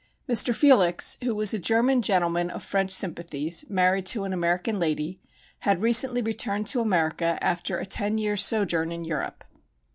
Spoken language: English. Mr. Felix, who was a German gentleman of French sympathies, married to an American lady, had recently returned to America after a ten years' sojourn in Europe.